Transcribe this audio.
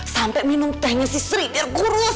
sampai minum tehnya si sri biar kurus